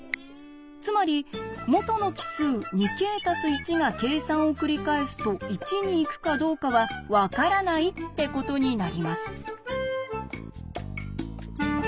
つまり元の奇数「２ｋ＋１」が計算をくりかえすと１に行くかどうかは分からないってことになります。